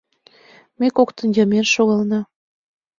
Ме коктын йымен шогална.